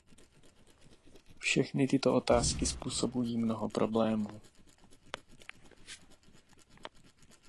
Všechny tyto otázky způsobují mnoho problémů.